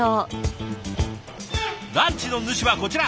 ランチの主はこちら。